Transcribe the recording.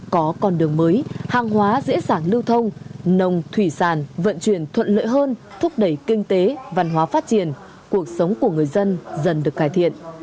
có con đường mới hàng hóa dễ dàng lưu thông nông thủy sản vận chuyển thuận lợi hơn thúc đẩy kinh tế văn hóa phát triển cuộc sống của người dân dần được cải thiện